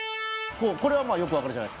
これはまぁよく分かるじゃないですか。